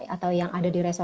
atau yang ada di resor